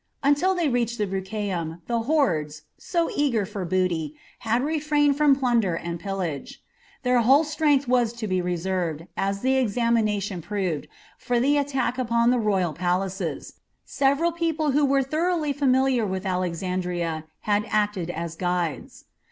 Until they reached the Brucheium the hordes, so eager for booty, had refrained from plunder and pillage. Their whole strength was to be reserved, as the examination proved, for the attack upon the royal palaces. Several people who were thoroughly familiar with Alexandria had acted as guides.